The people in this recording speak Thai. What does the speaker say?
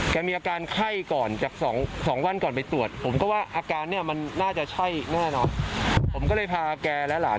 คุณตาก็น่าห่วงเพราะอายุเยอะแล้ว